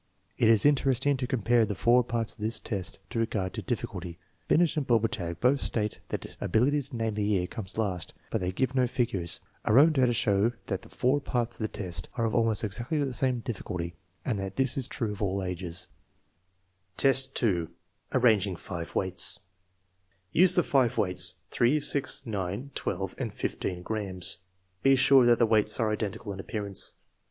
It is interesting to compare the four parts of this test in regard to difficulty. Binet and Bobertag both state that ability to name the year comes last, but they give no figures. Our own data show that the four parts of the test are of almost exactly the same difficulty and that this is true at all ages. 2SG THE MEASUREMENT OF INTELLIGENCE IX, 2. Arranging five weights Use the five weights, 3, 6, 9, 1, and 15 grams. Be sure that the weights are identical in appearance.